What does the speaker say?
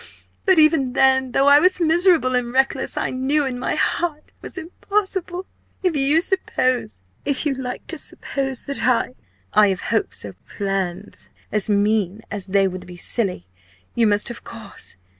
But even then, though I was miserable and reckless, I knew in my heart it was impossible! If you suppose if you like to suppose that I I have hopes or plans as mean as they would be silly you must of course.